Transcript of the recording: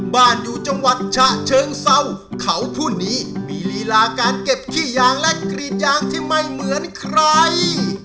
บ้านอยู่จังหวัดฉะเชิงเศร้าเขาผู้นี้มีลีลาการเก็บขี้ยางและกรีดยางที่ไม่เหมือนใคร